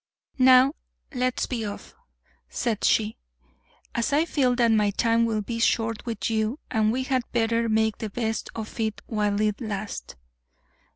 "Now, let's be off," said she, "as I feel that my time will be short with you and we had better make the best of it while it lasts."